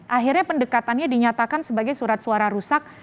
akhirnya pendekatannya dinyatakan sebagai surat suara rusak